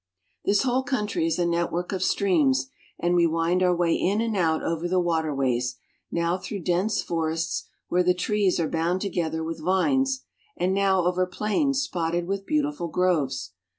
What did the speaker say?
This whole country is a network of streams, and we wind our way in and out .over the water ways, now through dense forests where the trees are bound together with vines and now over plains spotted with beautiful groves.